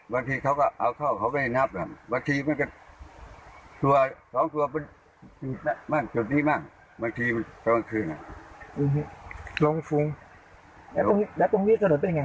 บางทีเขาก็เอาเข้าไปนับบางทีมันก็๒ตัวมั่งจนนี้มั่งบางทีมันต้องคืนนั่ง